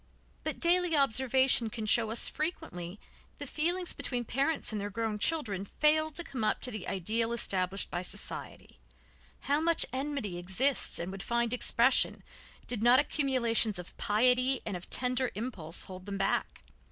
But daily observation can show us how frequently the feelings between parents and their grown children fail to come up to the ideal established by society, how much enmity exists and would find expression did not accumulations of piety and of tender impulse hold them back.